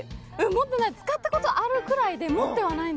持ってない使ったことあるぐらいで持ってない？